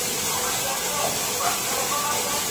حکومت د پانګي د راکد کيدو مخنيوی کاوه.